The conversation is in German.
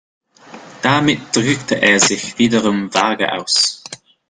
Damit drückte er sich wiederum vage aus.